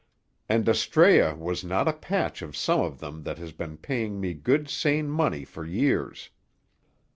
And Astræa was not a patch on some of them that has been paying me good sane money for years.